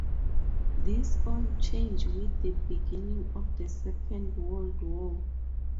This all changed with the beginning of the Second World War.